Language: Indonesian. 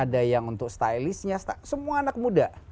ada yang untuk stylistnya semua anak muda